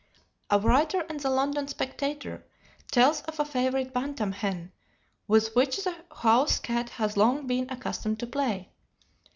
A writer in the London Spectator tells of a favorite bantam hen with which the house cat has long been accustomed to play.